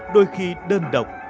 đôi khi đơn độc